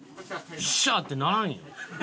「よっしゃ！」ってならんよ？